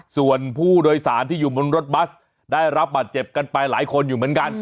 ส่วนผู้โดยสารที่อยู่บนรถบัสได้รับบาดเจ็บกันไปหลายคนอยู่เหมือนกัน